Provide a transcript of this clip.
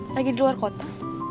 lagi di luar kota